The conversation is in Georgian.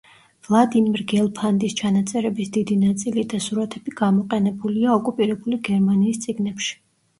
ვლადიმერ გელფანდის ჩანაწერების დიდი ნაწილი და სურათები გამოყენებულია ოკუპირებული გერმანიის წიგნებში.